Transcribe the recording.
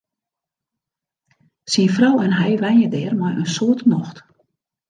Syn frou en hy wenje dêr mei in soad nocht.